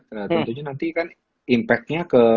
nah tentunya nanti kan impact nya ke